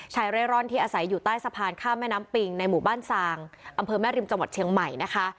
เร่ร่อนที่อาศัยอยู่ใต้สะพานข้ามแม่น้ำปิงในหมู่บ้านซางอำเภอแม่ริมจังหวัดเชียงใหม่นะคะ